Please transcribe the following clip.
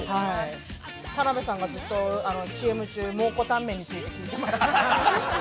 田辺さんがずっとＣＭ中、蒙古タンメンについて聞いてました。